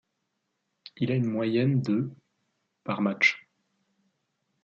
Il a une moyenne de par match.